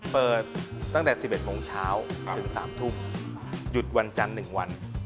เปิดตั้งแต่๑๑โมงเช้าถึง๓ทุ่มหยุดวันจันทร์๑วัน